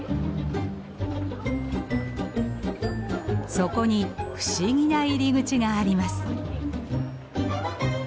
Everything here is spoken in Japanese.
そこに不思議な入り口があります。